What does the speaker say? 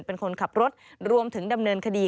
เป็นคนขับรถรวมถึงดำเนินคดี